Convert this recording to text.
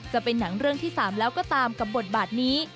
จะเป็นหนังเรื่องที่๓แล้วก็ตามกับบทบาทนี้